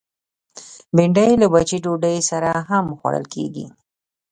بېنډۍ له وچې ډوډۍ سره هم خوړل کېږي